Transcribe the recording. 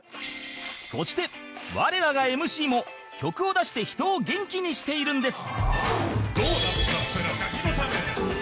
そして我らが ＭＣ も曲を出して人を元気にしているんです